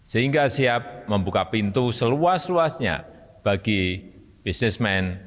sehingga siap membuka pintu seluas luasnya bagi bisnismen